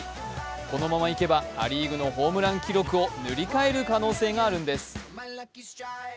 このままいけばア・リーグのホームラン記録を塗り替える可能性があるんです。